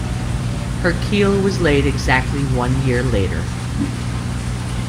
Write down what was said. Her keel was laid exactly one year later.